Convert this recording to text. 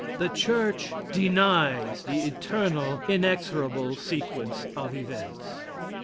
The church denies the eternal, inexorable sequence of events.